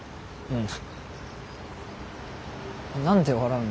うん。